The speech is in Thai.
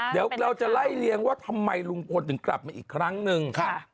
เดี๋ยวเราจะไล่เลี้ยงว่าทำไมลุงพลถึงกลับมาอีกครั้งหนึ่ง